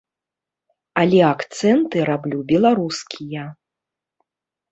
Але акцэнты раблю беларускія.